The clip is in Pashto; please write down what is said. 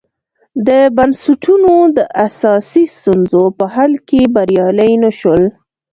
د بنسټونو د اساسي ستونزو په حل کې بریالي نه شول.